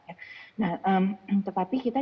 nah tetapi kita